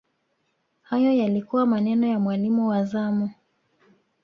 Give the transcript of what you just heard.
hayo yalikuwa maneno ya mwalimu wa zamu